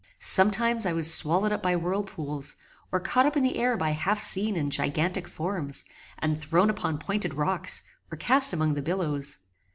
Sometimes I was swallowed up by whirlpools, or caught up in the air by half seen and gigantic forms, and thrown upon pointed rocks, or cast among the billows.